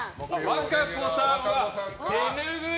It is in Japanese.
和歌子さんは手拭い！